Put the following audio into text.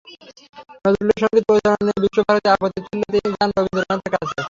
নজরুলের সংগীত পরিচালনা নিয়ে বিশ্বভারতী আপত্তি তুললে তিনি যান রবীন্দ্রনাথের কাছ।